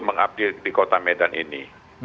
mengupdate di kota medan ini